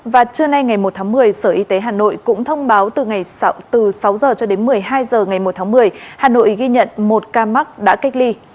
và trưa nay ngày một tháng một mươi sở y tế hà nội cũng thông báo từ sáu h cho đến một mươi hai h ngày một tháng một mươi hà nội ghi nhận một ca mắc đã cách ly